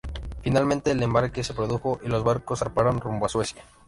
Finalmente, el embarque se produjo y los barcos zarparon rumbo a Suecia.